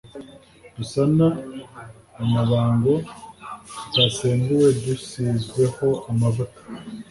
dusa n amabango tutasembuwe dus zweho amavuta